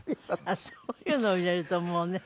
そういうのを入れるともうね。